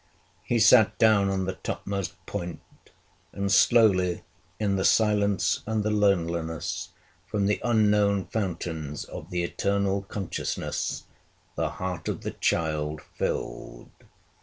He sat down on the topmost point; and slowly, in the silence and the loneliness, from the unknown fountains of the eternal consciousness, the heart of the child filled.